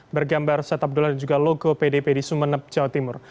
bergambar set up dolar dan juga logo pdp di sumeneb jawa timur